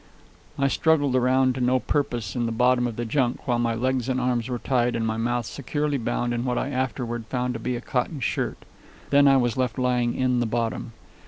I struggled around to no purpose in the bottom of the junk, while my legs and arms were tied and my mouth securely bound in what I afterward found to be a cotton shirt. Then I was left lying in the bottom.